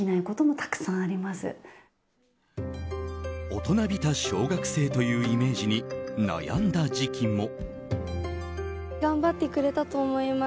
大人びた小学生というイメージに悩んだ時期も。